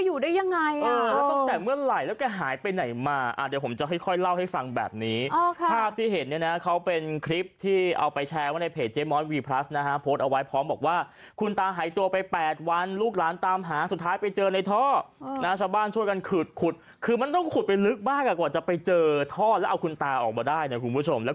ลุงกะซู่พร้อมโอ้โหเห็นไหมลุงกะซู่พร้อมโอ้โหเห็นไหมลุงกะซู่พร้อมโอ้โหเห็นไหมลุงกะซู่พร้อมโอ้โหเห็นไหมลุงกะซู่พร้อมโอ้โหเห็นไหมลุงกะซู่พร้อมโอ้โหเห็นไหมลุงกะซู่พร้อมโอ้โหเห็นไหมลุงกะซู่พร้อมโอ้โหเห็นไหมลุงกะซู่พร้อมโอ้โหเห็